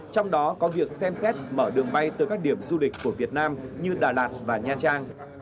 trong đó có việc xem xét mở đường bay từ các điểm du lịch của việt nam như đà lạt và nha trang